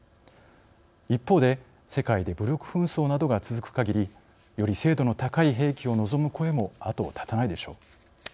一方で世界で武力紛争などが続くかぎりより精度の高い兵器を望む声も後を絶たないでしょう。